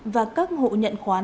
và các hộ nhận khoán